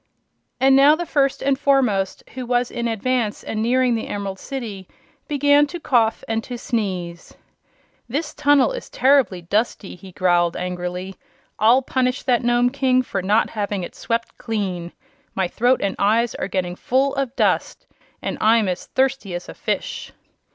And now the First and Foremost, who was in advance and nearing the Emerald City, began to cough and to sneeze. "This tunnel is terribly dusty," he growled, angrily. "I'll punish that Nome King for not having it swept clean. My throat and eyes are getting full of dust and I'm as thirsty as a fish!"